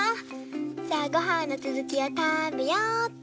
じゃあごはんのつづきをたべよっと。